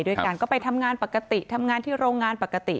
ด้วยกันก็ไปทำงานปกติทำงานที่โรงงานปกติ